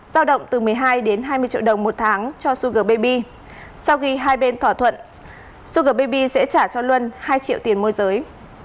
giao động từ một mươi hai đến hai mươi triệu đồng một tháng cho sugar baby sau khi hai bên thỏa thuận sugar baby sẽ trả cho luân hai triệu tiền môi giới